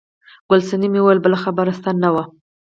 ګل صنمه وویل بله خبره شته نه وه.